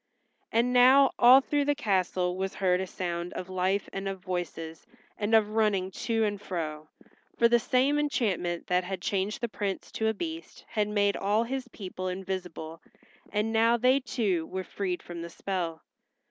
And now all through the castle was heard a sound of life and of voices and of running to and fro. For the same enchantment that had changed the Prince to a Beast had made all his people invisible, and now, they too were freed from the spell.